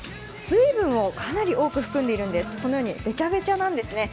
水分をかなり多く含んでいるんです、べちゃべちゃなんです。